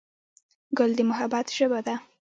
ګل د محبت ژبه ده.